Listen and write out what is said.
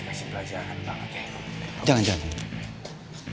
kau masih belajar kan bang oke